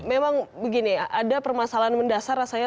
memang begini ada permasalahan mendasar rasanya